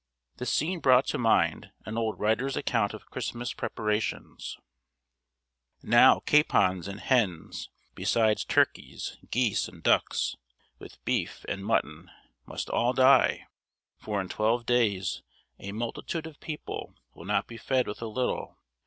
The scene brought to mind an old writer's account of Christmas preparations: "Now capons and hens, besides turkeys, geese, and ducks, with beef and mutton must all die; for in twelve days a multitude of people will not be fed with a little.